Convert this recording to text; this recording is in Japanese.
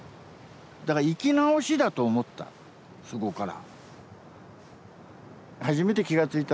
だから生き直しだと思ったそこから。